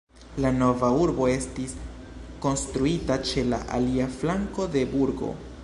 La nova urbo estis konstruita ĉe la alia flanko de burgo.